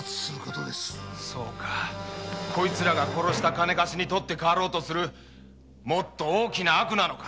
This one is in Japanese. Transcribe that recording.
そうかこいつらが殺した金貸しに取って代わろうとするもっと大きな悪なのか。